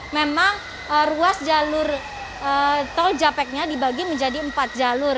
memang ruas jalur tol japeknya dibagi menjadi empat jalur